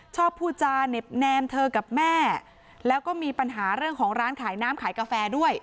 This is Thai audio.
พูดจาเหน็บแนมเธอกับแม่แล้วก็มีปัญหาเรื่องของร้านขายน้ำขายกาแฟด้วย